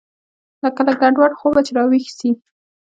لکه له ګډوډ خوبه چې راويښ سې.